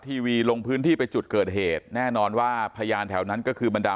ทีวีลงพื้นที่ไปจุดเกิดเหตุแน่นอนว่าพยานแถวนั้นก็คือบรรดา